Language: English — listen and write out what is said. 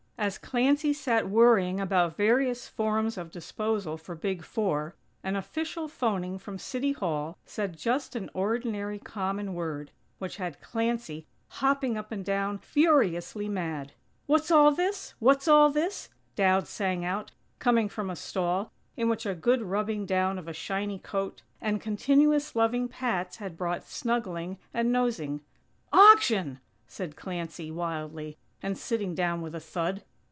As Clancy sat worrying about various forms of disposal for Big Four, an official phoning from City Hall, said just an ordinary, common word, which had Clancy hopping up and down, furiously mad. "What's all this? What's all this?" Dowd sang out, coming from a stall, in which a good rubbing down of a shiny coat, and continuous loving pats had brought snuggling and nosing. "Auction!!" said Clancy, wildly, and sitting down with a thud.